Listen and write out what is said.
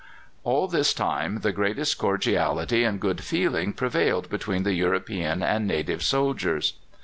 All this time the greatest cordiality and good feeling prevailed between the European and native soldiers.